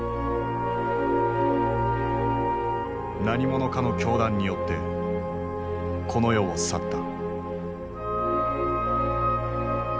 何者かの凶弾によってこの世を去った。